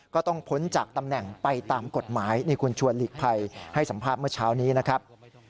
ก็ต้องพ้นจากตำแหน่งไปตามกฎหมายนี่คุณชวนหลีกภัยให้สัมภาษณ์เมื่อเช้านี้นะครับ